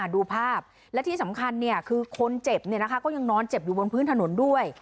ดูภาพและที่สำคัญคือคนเจ็บก็ยังนอนเจ็บอยู่บนพื้นถนนด้วย